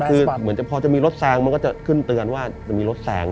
คือเหมือนจะพอจะมีรถแซงมันก็จะขึ้นเตือนว่าจะมีรถแซง